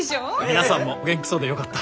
皆さんもお元気そうでよかった。